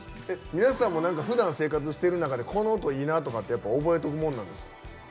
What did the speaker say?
皆さんもふだん生活してる中でこの音いいなって覚えておくものなんですか？